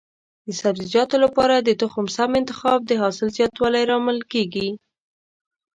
د سبزیجاتو لپاره د تخم سم انتخاب د حاصل زیاتوالي لامل کېږي.